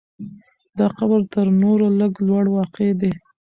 دا قبر تر نورو لږ لوړ واقع دی.